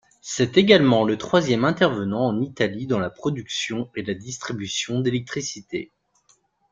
C'est également le troisième intervenant en Italie dans la production et la distribution d'électricité.